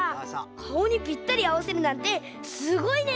かおにぴったりあわせるなんてすごいね。